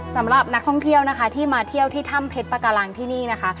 สำหรับนักท่องเที่ยวนะคะที่มาเที่ยวที่ถ้ำเพชรปากาลังที่นี่นะคะ